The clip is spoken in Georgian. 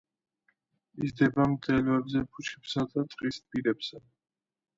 იზრდება მდელოებზე, ბუჩქებსა და ტყის პირებზე.